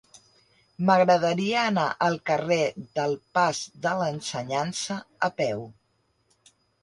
M'agradaria anar al carrer del Pas de l'Ensenyança a peu.